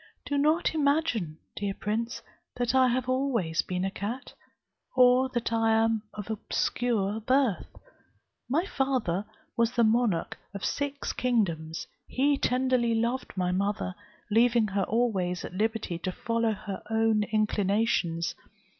"Do not imagine, dear prince, that I have always been a cat, or that I am of obscure birth. My father was the monarch of six kingdoms; he tenderly loved my mother, leaving her always at liberty to follow her own inclinations.